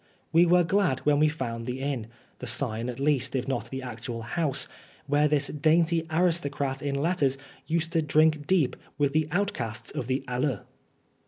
We were glad when we found the inn the sign at least, if not the actual house where this dainty aristocrat in letters used to drink deep with the outcasts of the halles.